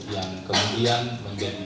yang kemudian menjadi